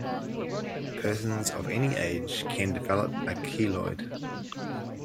Persons of any age can develop a keloid.